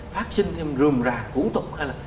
phát sinh thêm rùm rà thủ tục hay là